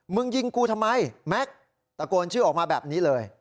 มึงยิงกูทำไมแม็กซ์ตะโกนชื่อออกมาแบบนี้เลย